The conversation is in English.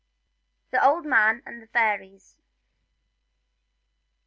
THE OLD MAN AND THE FAIRIES.